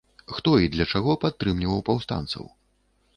Хто і для чаго падтрымліваў паўстанцаў?